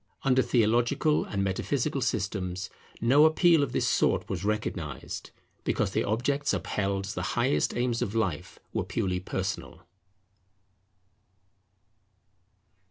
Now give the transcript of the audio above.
Under theological and metaphysical systems no appeal of this sort was recognized; because the objects upheld as the highest aims of life were purely personal.